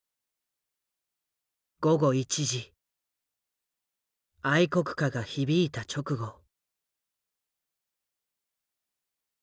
午後１時愛国歌が響いた直後。